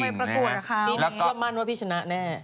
นี่เชื่อมั่นว่าพี่ชนะแน่